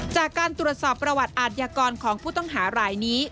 จากการตรวจสอบประวัติอาทยากรของผู้ต้องหารายนี้